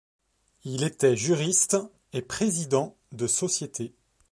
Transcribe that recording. Il était juriste et président de sociétés.